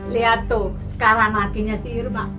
lihat tuh sekarang artinya si irma